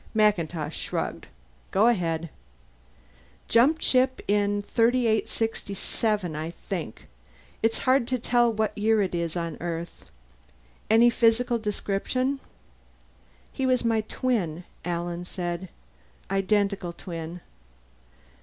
MacIntosh shrugged. "Go ahead." "Jumped ship in 3867 I think. It's so hard to tell what year it is on Earth." "And physical description?" "He was my twin," Alan said. "Identical twin."